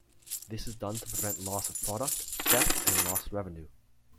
This is done to prevent loss of product, theft and lost revenue.